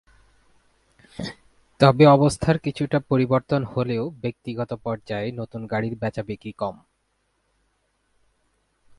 তবে অবস্থার কিছুটা পরিবর্তন হলেও ব্যক্তিগত পর্যায়ে নতুন গাড়ির বেচাবিক্রি কম।